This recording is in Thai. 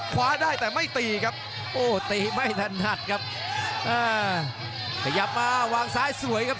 คว้าได้แต่ไม่ตีครับโอ้ตีไม่ถนัดครับอ่าขยับมาวางซ้ายสวยครับ